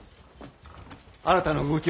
新たな動きは？